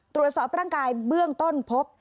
ตรวจสอบร่างกายเบื้องต้นพบ